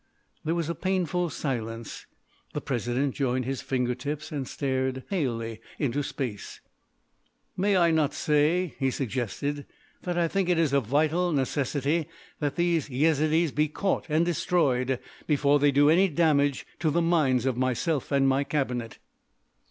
There was a painful silence. The President joined his finger tips and stared palely into space. "May I not say," he suggested, "that I think it a vital necessity that these Yezidees be caught and destroyed before they do any damage to the minds of myself and my cabinet?"